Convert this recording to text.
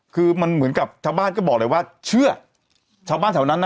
คือมันเหมือนกับชาวบ้านก็บอกเลยว่าเชื่อชาวบ้านแถวนั้นนะ